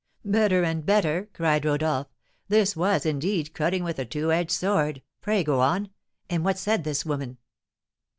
'" "Better and better!" cried Rodolph; "this was, indeed, cutting with a two edged sword. Pray go on. And what said this woman?"